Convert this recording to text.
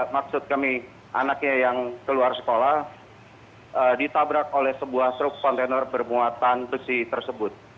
maksud kami anaknya yang keluar sekolah ditabrak oleh sebuah truk kontainer bermuatan besi tersebut